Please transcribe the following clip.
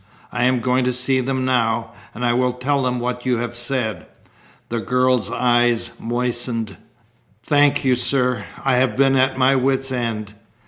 I am going to see them now. I will tell them what you have said." The girl's eyes moistened. "Thank you, sir. I have been at my wits' end."